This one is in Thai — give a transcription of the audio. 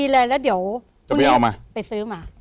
แล้วเดี๋ยวพรุ่งนี้เอามาไปซื้อมา